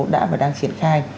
đã và đang triển khai